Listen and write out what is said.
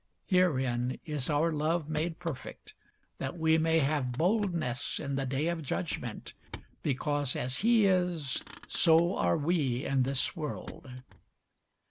Herein is our love made perfect, that we may have boldness in the day of judgment: because as he is, so are we in this world.